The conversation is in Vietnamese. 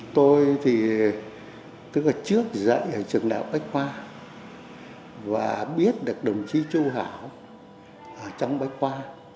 tôi thì trước dạy ở trường đạo bách khoa và biết được đồng chí chu hảo ở trong bách khoa